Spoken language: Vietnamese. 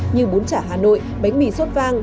như bún chả hà nội bánh mì sốt vang